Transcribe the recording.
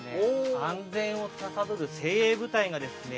安全をつかさどる精鋭部隊がですね